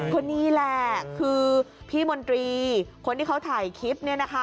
คนนี้แหละคือพี่มนตรีคนที่เขาถ่ายคลิปเนี่ยนะคะ